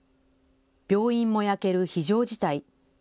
病院も焼ける非常事態。